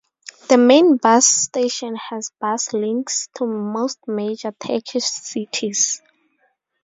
The main bus station has bus links to most major Turkish cities.